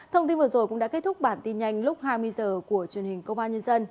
thông tin vừa rồi cũng đã kết thúc bản tin nhanh lúc hai mươi h của truyền hình công an nhân dân